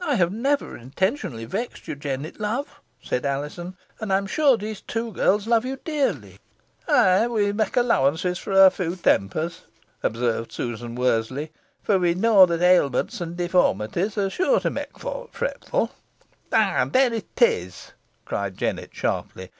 "I have never intentionally vexed you, Jennet, love," said Alizon, "and I am sure these two girls love you dearly." "Eigh, we may allowance fo her feaw tempers," observed Susan Worseley; "fo we knoa that ailments an deformities are sure to may folk fretful." "Eigh, there it is," cried Jennet, sharply.